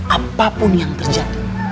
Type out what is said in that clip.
apapun yang terjadi